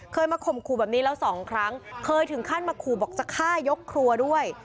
เคยมาข่มขู่แบบนี้แล้วสองครั้งเคยถึงขั้นมาขู่บอกจะฆ่ายกครัวด้วย